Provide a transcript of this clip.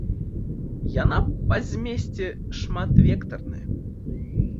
Яна па змесце шматвектарная!